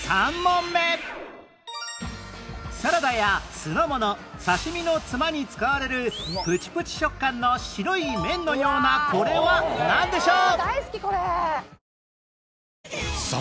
サラダや酢の物刺し身のツマに使われるプチプチ食感の白い麺のようなこれはなんでしょう？